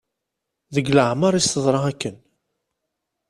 Deg leɛmer i as-teḍra akken.